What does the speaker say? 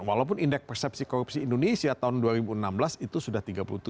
walaupun indeks persepsi korupsi indonesia tahun dua ribu enam belas itu sudah tiga puluh tujuh